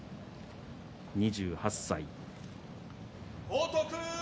２８歳。